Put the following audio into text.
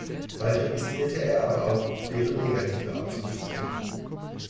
Bald registrierte er aber auch deren negativen Auswüchse.